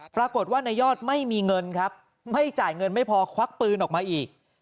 ปรากฏว่านายยอดไม่มีเงินครับไม่จ่ายเงินไม่พอควักปืนออกมาอีก